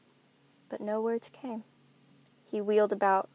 But no words came. He wheeled about.